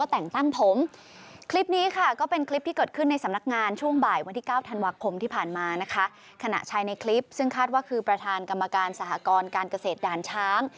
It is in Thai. แต่งตั้งผู้ช่วยอยากให้ผู้ช่วยทำงานไม่ดีไม่มีเวลาทำงาน